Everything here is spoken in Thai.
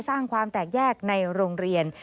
สร้างความแตกแยกในโรงเรียน